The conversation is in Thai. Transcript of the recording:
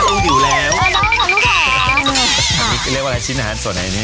อันนี้เรียกว่าอะไรชิ้นอาหารส่วนไหนนี่